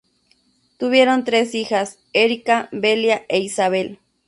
Tuvieron tres hijas: Érika, Velia e Isabel.